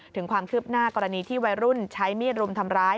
ถึงความคืบหน้ากรณีที่วัยรุ่นใช้มีดรุมทำร้าย